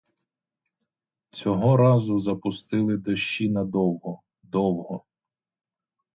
Цього разу запустили дощі надовго, довго.